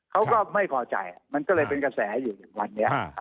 เขาก็ไม่พอใจมันก็เลยเป็นกระแสอยู่ถึงวันนี้